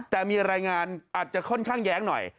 แต่มีรายงานอาจจะค่อนข้างแย้งหน่อย